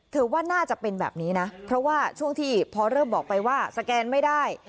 ว่าน่าจะเป็นแบบนี้นะเพราะว่าช่วงที่พอเริ่มบอกไปว่าสแกนไม่ได้